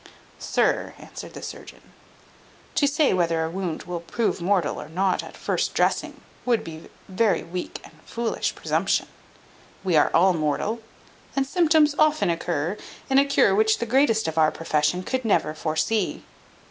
"Sir," answered the surgeon, "to say whether a wound will prove mortal or not at first dressing, would be very weak and foolish presumption: we are all mortal, and symptoms often occur in a cure which the greatest of our profession could never foresee."